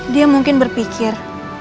dia mungkin berpikir